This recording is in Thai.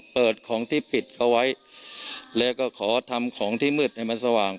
เปิดของที่ปิดเขาไว้แล้วก็ขอทำของที่มืดให้มันสว่าง